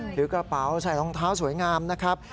ถือกระเป๋าใส่รองเท้าสวยงามนะครับ